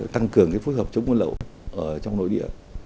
tăng cường phối hợp chống buôn lậu trong nội địa